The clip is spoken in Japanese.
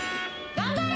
頑張れ。